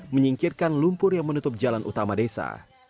menyingkirkan lumpur yang menutup jalan utama desa